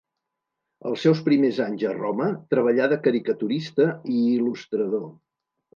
Els seus primers anys a Roma treballà de caricaturista i il·lustrador.